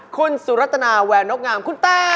คุณสุรัตนาแวร์นกงามคุณตา